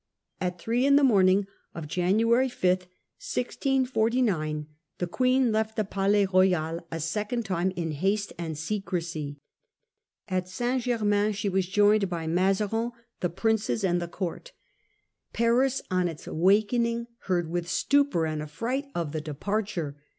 At three in the morning of January 5, 1649, the Queen left the Palais Royal a second time in haste and secrecy. At St. Ger main she was joined by Mazarin, the Princes, and the court. ' Paris, on its awakening, heard with stupor and affright of the departure.